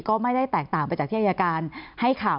ก็ไม่ได้แตกต่างไปจากที่อายการให้ข่าว